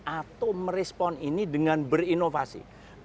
atau merespon ini dengan berinovasi